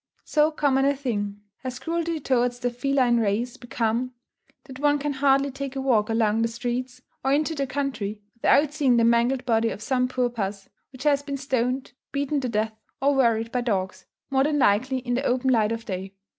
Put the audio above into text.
So common a thing has cruelty towards the feline race become, that one can hardly take a walk along the streets, or into the country, without seeing the mangled body of some poor puss, which has been stoned, beaten to death, or worried by dogs, more than likely in the open light of day.